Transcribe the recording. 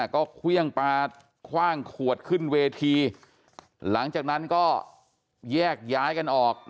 ก็เครื่องปลาคว่างขวดขึ้นเวทีหลังจากนั้นก็แยกย้ายกันออก